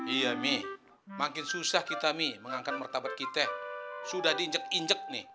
iya mi makin susah kita mi mengangkat mertabat kita sudah diinjek injek nih